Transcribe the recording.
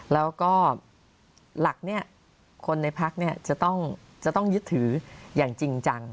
แล้วก็หลักเนี่ยคนในพรรคเนี่ยจะต้องยึดถืออย่างจริงจัง